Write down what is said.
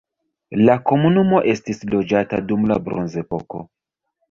La komunumo estis loĝata dum la bronzepoko.